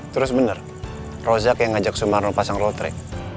terus benar rozak yang ngajak sumarno pasang lotre